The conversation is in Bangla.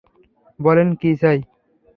বলেন, কী চাই?